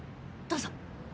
どうぞ。